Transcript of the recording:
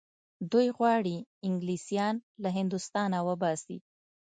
دوی غواړي انګلیسیان له هندوستانه وباسي.